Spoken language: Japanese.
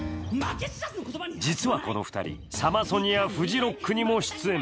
実はこの２人、サマソニやフジロックにも出演。